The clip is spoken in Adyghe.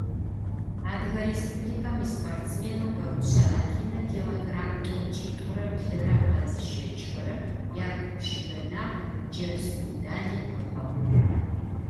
Адыгэ Республикэм испортсменэу Бэгъушъэ Алинэ килограмм тӀокӀитӀурэ блырэ къэзыщэчыхэрэм якуп щыбэнагъ, джэрз медали къыхьыгъ.